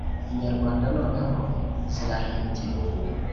Inyarwanda nnoneho zirahimbye